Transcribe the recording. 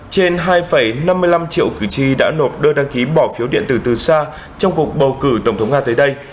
trên hai năm mươi năm triệu cử tri đã nộp đơn đăng ký bỏ phiếu điện tử từ xa trong cuộc bầu cử tổng thống nga tới đây